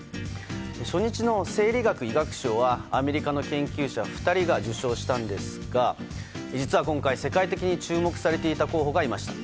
初日の生理学・医学賞はアメリカの研究者２人が受賞したんですが実は今回、世界的に注目されていた候補がいました。